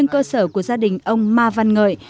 cơ sở của gia đình ông ma văn ngợi